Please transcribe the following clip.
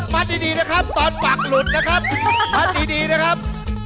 มัดดีตอนปากหลุดนะครับตอนดีนะครับ